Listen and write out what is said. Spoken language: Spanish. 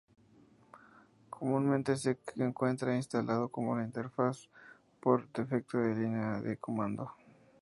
Comúnmente se encuentra instalado como la interfaz por defecto de línea de comando.